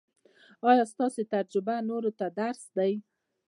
ایا ستاسو تجربه نورو ته درس دی؟